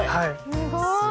すごい！